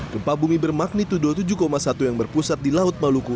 gempa bumi bermagnitudo tujuh satu yang berpusat di laut maluku